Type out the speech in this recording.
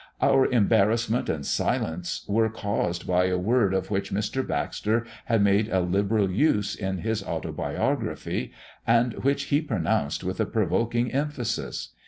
Our embarrassment and silence were caused by a word of which Mr. Baxter had made a liberal use in his autobiography, and which he pronounced with a provoking emphasis.